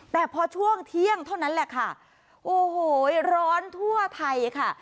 แต่พอช่วงเที่ยงเท่านั้นแหละค่ะโอ้โหร้อนทั่วไทยค่ะ